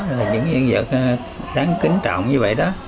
là những hiện vật đáng kính trọng như vậy đó